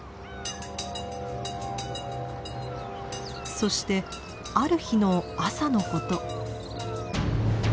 そしてある日の朝のこと。